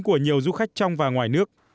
của nhiều du khách trong và ngoài nước